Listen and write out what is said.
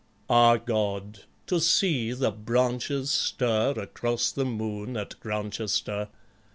. Ah God! to see the branches stir Across the moon at Grantchester!